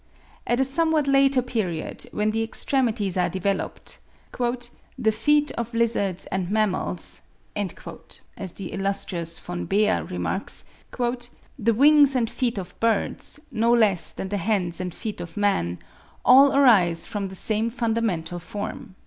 At a somewhat later period, when the extremities are developed, "the feet of lizards and mammals," as the illustrious Von Baer remarks, "the wings and feet of birds, no less than the hands and feet of man, all arise from the same fundamental form."